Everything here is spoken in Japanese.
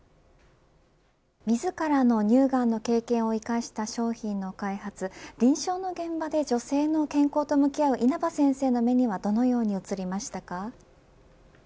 自らの乳がんの経験を生かした商品の開発臨床の現場で女性の健康と向き合う、稲葉先生の目にはどのように映りましたか。